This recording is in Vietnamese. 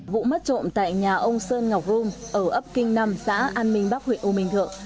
vụ mất trộm tại nhà ông sơn ngọc rôm ở ấp kinh năm xã an minh bắc huyện u minh thượng